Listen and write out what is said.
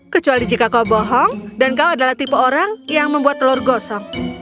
kecuali jika kau bohong dan kau adalah tipe orang yang membuat telur gosong